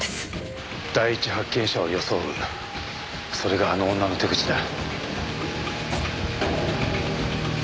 第一発見者を装うそれがあの女の手口だ。